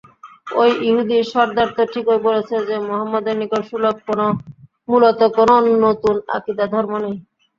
ঐ ইহুদী সরদারতো ঠিকই বলেছে যে, মুহাম্মাদের নিকট মূলত কোন নতুন আকীদা-ধর্ম নেই।